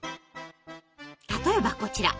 例えばこちら。